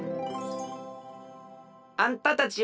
あんたたちは？